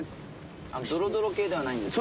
ドロドロ系ではないんですね。